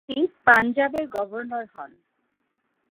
তিনি পাঞ্জাবের গভর্নর হন ।